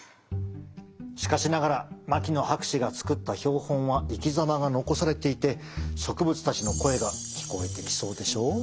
しかしながら牧野博士が作った標本は生き様が残されていて植物たちの声が聞こえてきそうでしょ。